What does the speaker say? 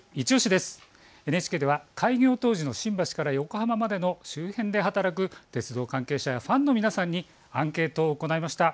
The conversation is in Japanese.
ＮＨＫでは開業当時の新橋から横浜までの周辺で働く鉄道関係者やファンの皆さんにアンケートを行いました。